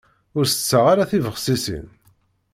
Ur tetteɣ ara tibexsisin.